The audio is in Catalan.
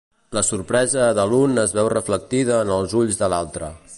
La sorpresa de l'un es veu reflectida en els ulls de l'altre.